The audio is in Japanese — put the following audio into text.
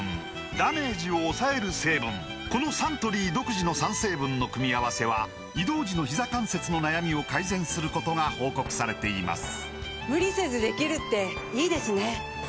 このサントリー独自の３成分の組み合わせは移動時のひざ関節の悩みを改善することが報告されています